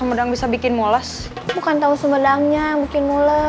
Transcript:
bebes nggak mungkin